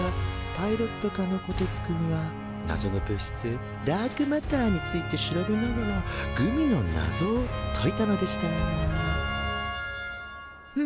パイロット科のこてつくんはなぞの物質ダークマターについて調べながらグミのなぞを解いたのでした